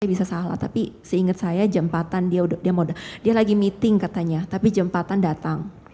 saya bisa salah tapi seinget saya jempatan dia lagi meeting katanya tapi jempatan datang